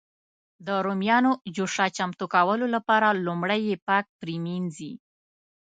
د رومیانو جوشه چمتو کولو لپاره لومړی یې پاک پرېمنځي.